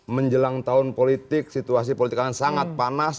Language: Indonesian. menjelang tahun politik situasi politik akan sangat panas